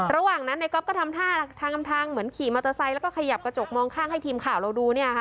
ระหว่างนั้นในก๊อฟก็ทำท่าทางทำทางเหมือนขี่มอเตอร์ไซค์แล้วก็ขยับกระจกมองข้างให้ทีมข่าวเราดูเนี่ยค่ะ